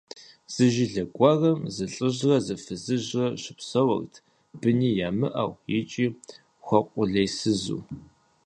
Зы жылэ гуэрым зы лӀыжьрэ зы фызыжьрэ щыпсэурт, быни ямыӀэу икӀи хуэкъулейсызу.